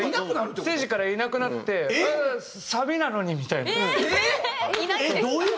ステージからいなくなって「サビなのに」みたいな。えっどういう事？